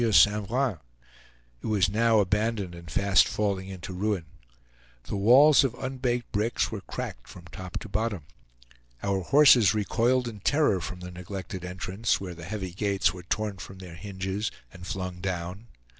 Vrain. It was now abandoned and fast falling into ruin. The walls of unbaked bricks were cracked from top to bottom. Our horses recoiled in terror from the neglected entrance, where the heavy gates were torn from their hinges and flung down.